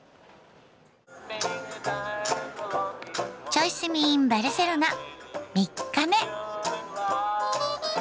「チョイ住みｉｎバルセロナ」３日目。